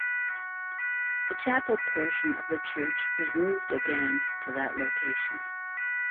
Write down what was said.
The chapel portion of the church was moved again, to that location.